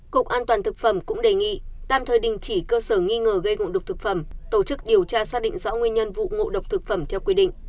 cục an toàn thực phẩm cũng đề nghị tạm thời đình chỉ cơ sở nghi ngờ gây ngộ độc thực phẩm tổ chức điều tra xác định rõ nguyên nhân vụ ngộ độc thực phẩm theo quy định